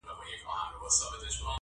نن گدا وو خو سبا به دنيا دار وو!.